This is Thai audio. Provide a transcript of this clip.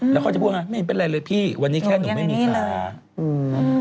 แล้วเขาจะบอกว่าไม่เป็นไรเลยพี่วันนี้แค่หนูไม่มีสาร